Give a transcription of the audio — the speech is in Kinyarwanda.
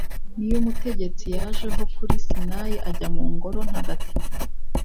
Ni yo Umutegetsi yajeho kuri Sinayi ajya mu Ngoro ntagatifu